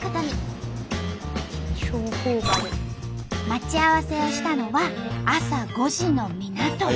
待ち合わせしたのは朝５時の港。